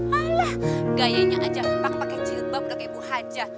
alah gayanya aja pakai pakai jebap gak ke ibu haja